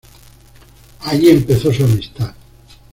Ahí empezó su amistad.